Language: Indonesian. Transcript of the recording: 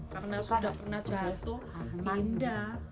karena sudah pernah jatuh tidak